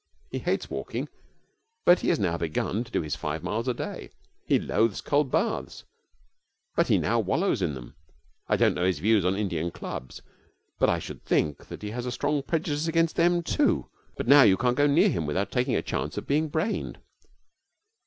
He hates walking, but he has now begun to do his five miles a day. He loathes cold baths, but he now wallows in them. I don't know his views on Indian clubs, but I should think that he has a strong prejudice against them, too, but now you can't go near him without taking a chance of being brained.